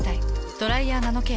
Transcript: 「ドライヤーナノケア」。